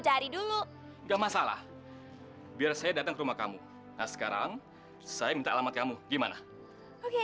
cari dulu enggak masalah biar saya datang ke rumah kamu nah sekarang saya minta alamat kamu gimana